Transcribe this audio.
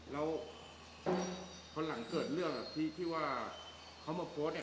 แล้วพอหลังเกิดเรื่องที่ว่าเขามาโพสต์เนี่ย